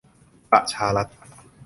ประชารัฐ